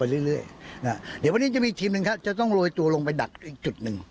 หรือวันนี้จะมีทีมหนึ่งจะต้องโรยตัวลงไปดักอีกจุดหนึ่ง